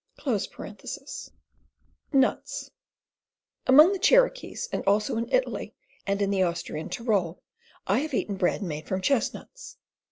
— Among the Cherokees, and also in Italy and in the Austrian Tyrol, I have eaten bread made from chestnuts.